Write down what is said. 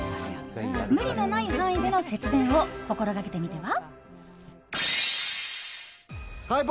無理のない範囲での節電を心がけてみては？